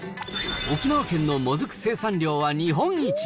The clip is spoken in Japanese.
沖縄県のもずく生産量は日本一。